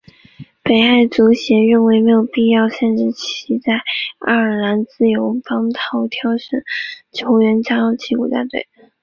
北爱足协认为没有必要限制其在爱尔兰自由邦挑选球员加入其国家队。